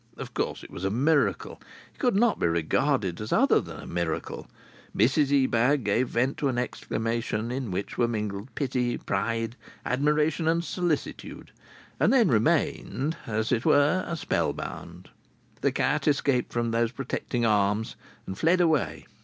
Of course, it was a miracle. It could not be regarded as other than a miracle. Mrs Ebag gave vent to an exclamation in which were mingled pity, pride, admiration and solicitude, and then remained, as it were, spellbound. The cat escaped from those protecting arms and fled away.